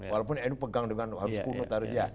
walaupun itu pegang dengan harus kurnut harus ya